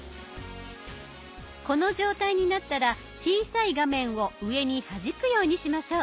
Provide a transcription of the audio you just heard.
この状態になったら小さい画面を上にはじくようにしましょう。